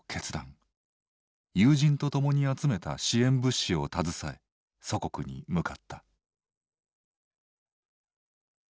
友人とともに集めた支援物資を携え祖国に向かった。